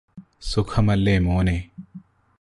സുഖമല്ലേ മോനെ